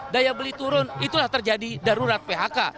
daya beli turun itulah terjadi darurat phk